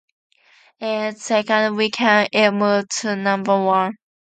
In its second weekend it moved to number one.